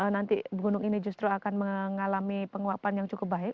nanti gunung ini justru akan mengalami penguapan yang cukup baik